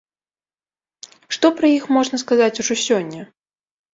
Што пра іх можна сказаць ужо сёння?